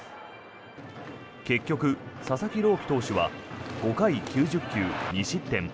結局、佐々木朗希投手は５回９０球２失点。